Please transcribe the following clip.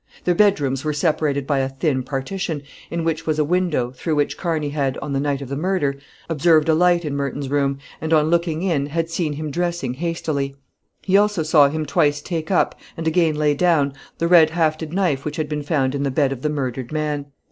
Their bedrooms were separated by a thin partition, in which was a window, through which Carney had, on the night of the murder, observed a light in Merton's room, and, on looking in, had seen him dressing hastily. He also saw him twice take up, and again lay down, the red hafted knife which had been found in the bed of the murdered man.